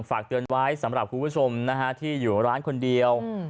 ฝากเตือนไว้สำหรับคุณผู้ชมนะฮะที่อยู่ร้านคนเดียว